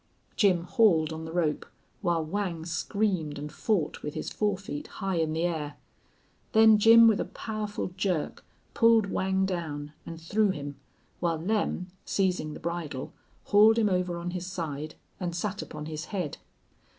Jim hauled on the rope while Whang screamed and fought with his forefeet high in the air. Then Jim, with a powerful jerk, pulled Whang down and threw him, while Lem, seizing the bridle, hauled him over on his side and sat upon his head.